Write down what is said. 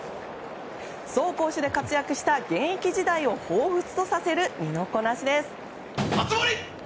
走攻守で活躍した現役時代をほうふつとさせる身のこなしです。